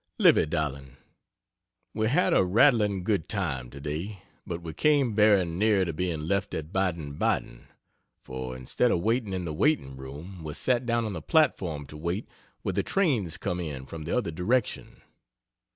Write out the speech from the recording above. Livy darling, we had a rattling good time to day, but we came very near being left at Baden Baden, for instead of waiting in the waiting room, we sat down on the platform to wait where the trains come in from the other direction.